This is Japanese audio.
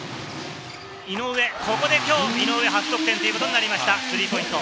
井上、ここできょう井上、初得点ということになりました、スリーポイント。